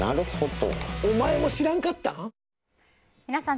お前も知らんかったん？